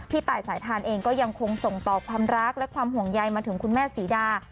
ตายสายทานเองก็ยังคงส่งต่อความรักและความห่วงใยมาถึงคุณแม่ศรีดา